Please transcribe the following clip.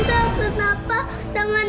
nanti juga gak tau sayang